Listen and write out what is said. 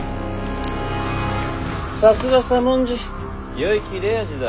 さすが左文字よい切れ味だ。